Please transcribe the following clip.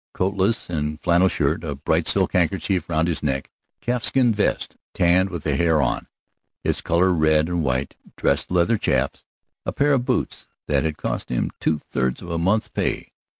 Coatless, in flannel shirt, a bright silk handkerchief round his neck; calfskin vest, tanned with the hair on, its color red and white; dressed leather chaps, a pair of boots that had cost him two thirds of a month's pay.